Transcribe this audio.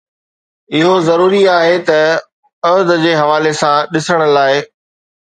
اهو ضروري آهي ته عهد جي حوالي سان ڏسڻ لاء